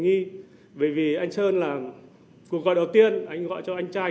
nhưng cũng chưa tìm ra được manh mối nào đáng chú ý